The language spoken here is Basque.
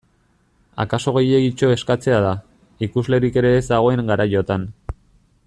Akaso gehiegitxo eskatzea da, ikuslerik ere ez dagoen garaiotan.